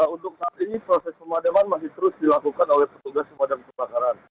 untuk saat ini proses pemadaman masih terus dilakukan oleh petugas pemadam kebakaran